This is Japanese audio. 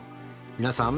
皆さん。